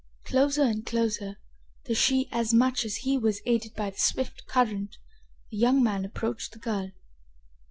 Closer and closer, though she as much as he was aided by the swift current, the young man approached the girl.